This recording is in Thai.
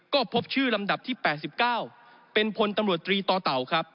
ก็พบชื่อลำดับที่๘๙เป็นพลตำรวจตรีต่อเต่าครับ